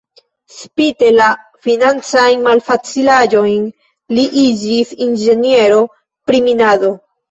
Spite la financajn malfacilaĵojn li iĝis inĝeniero pri minado.